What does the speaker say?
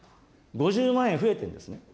５０万円増えてるんです。